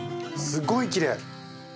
すごいきれい！